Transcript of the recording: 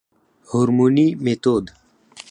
هورموني ميتود